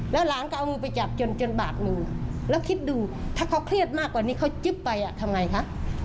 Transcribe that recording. แล้วคิดดูถ้าเขาเครียดมากกว่านี้เขาจิ๊บไปทำไงคะ